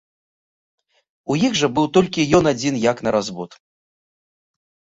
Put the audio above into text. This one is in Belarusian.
У іх жа быў толькі ён адзін як на развод.